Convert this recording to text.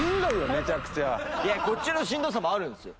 いやこっちのしんどさもあるんですよ。